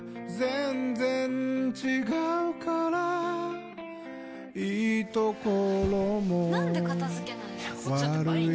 全然違うからいいところもなんで片付けないの？